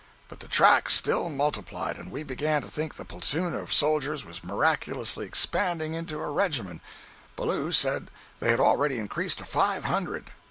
But the tracks still multiplied, and we began to think the platoon of soldiers was miraculously expanding into a regiment—Ballou said they had already increased to five hundred!